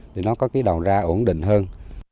để nó có cái đầu ra ổn định hơn